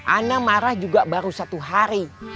ana marah juga baru satu hari